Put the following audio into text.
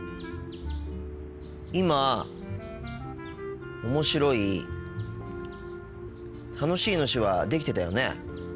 今「面白い」「楽しい」の手話できてたよね。